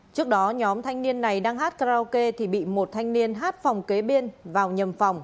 trước đó nhóm thanh niên này đang hát karaoke thì bị một thanh niên hát phòng kế bên vào nhầm phòng